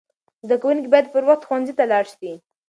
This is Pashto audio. زده کوونکي باید پر وخت ښوونځي ته لاړ سي.